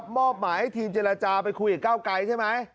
มอบหมายให้ทีมเจรจาไปคุยกับก้าวไกลใช่ไหม